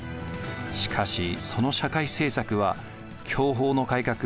しかしその社会政策は享保の改革